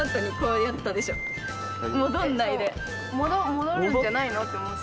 戻るんじゃないの？って思った。